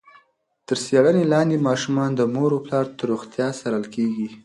تر څېړنې لاندې ماشومان د مور او پلار د روغتیا څارل کېږي.